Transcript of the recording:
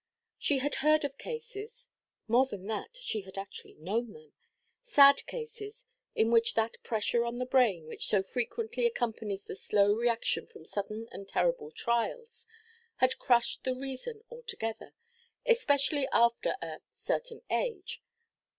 She had heard of cases,—more than that, she had actually known them,—sad cases in which that pressure on the brain, which so frequently accompanies the slow reaction from sudden and terrible trials, had crushed the reason altogether, especially after a "certain age."